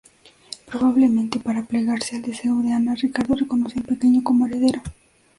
Probablemente para plegarse al deseo de Ana, Ricardo reconoció al pequeño como heredero.